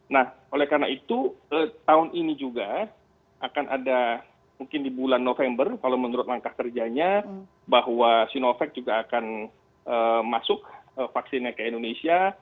nah oleh karena itu tahun ini juga akan ada mungkin di bulan november kalau menurut langkah kerjanya bahwa sinovac juga akan masuk vaksinnya ke indonesia